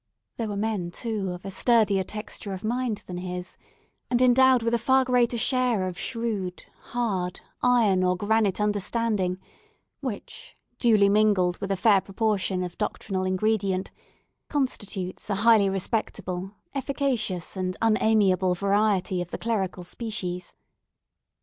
There were men, too, of a sturdier texture of mind than his, and endowed with a far greater share of shrewd, hard iron, or granite understanding; which, duly mingled with a fair proportion of doctrinal ingredient, constitutes a highly respectable, efficacious, and unamiable variety of the clerical species.